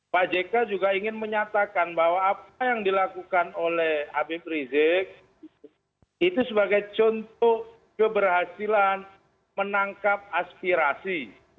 pak jk juga ingin menyatakan bahwa apa yang dilakukan oleh habib rizik itu sebagai contoh keberhasilan menangkap aspirasi